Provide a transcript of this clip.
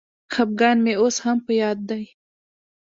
خپګان مي اوس هم په یاد دی.